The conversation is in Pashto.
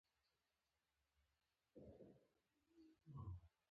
د استبداد پر وړاندې د ویښتیا مبارزه وه.